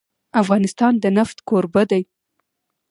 افغانستان د نفت کوربه دی.